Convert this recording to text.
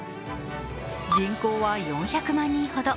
人口は４００万人ほど。